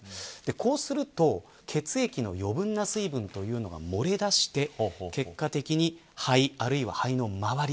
こうすると血液の余分な水分というのが漏れ出して結果的に肺、あるいは肺の周り